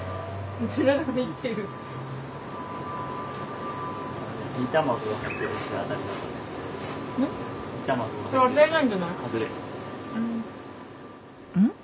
うん？